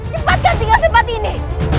cepatkan tinggal di tempat ini